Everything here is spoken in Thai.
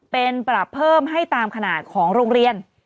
เป็นปรับเพิ่มให้ตามขนาดของโรงเรียน